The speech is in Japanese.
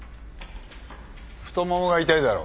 太ももが痛いだろ？